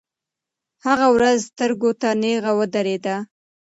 هغه ورځ سترګو ته نیغه ودرېده.